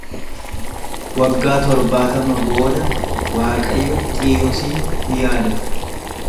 Waggaa torbaatama booda Waaqayyo Xiirosin ni yaadata.